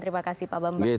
terima kasih pak bambang